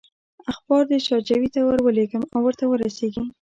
اخبار دې شاجوي ته ورولېږم او ورته رسېږي.